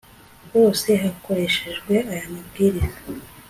hose hakoreshejwe aya mabwiriza